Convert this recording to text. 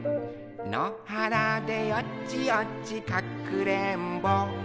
のはらでよちよちかくれんぼ」